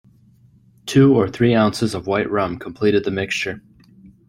Two or three ounces of white rum completed the mixture.